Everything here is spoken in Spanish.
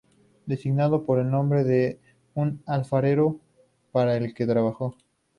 Designado por el nombre de un alfarero para el que trabajó.